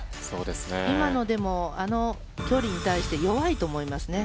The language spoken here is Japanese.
今のでもあの距離に対して弱いと思いますね。